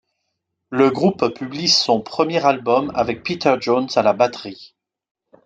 Le groupe publie son premier album, avec Peter Jones à la batterie.